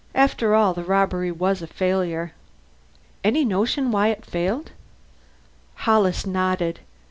After all, the robbery was a failure." "Any notion why it failed?" Hollis nodded.